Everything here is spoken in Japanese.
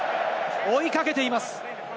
追いかけています！